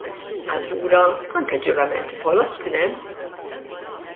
Allura anke ġuramenti foloz kien hemm!